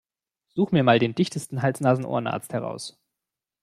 Such mir mal den dichtesten Hals-Nasen-Ohren-Arzt heraus!